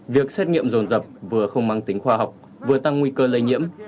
việc xét nghiệm rồn dập vừa không mang tính khoa học vừa tăng nguy cơ lây nhiễm